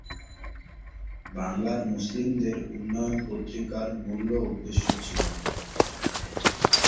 বাংলার মুসলিমদের উন্নয়ন পত্রিকার মূল্য উদ্দেশ্য ছিল।